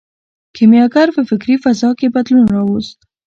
کیمیاګر په فکري فضا کې بدلون راوست.